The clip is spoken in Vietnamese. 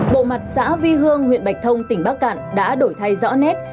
bộ mặt xã vi hương huyện bạch thông tỉnh bắc cạn đã đổi thay rõ nét